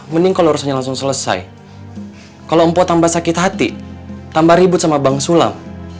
mending kalau urusannya langsung selesai kalau mpo tambah sakit hati tambah ribut sama bank sulam